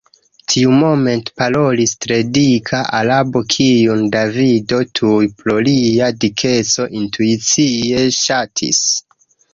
Tiumomente parolis tre dika Arabo – kiun Davido tuj pro lia dikeco intuicie ŝatis.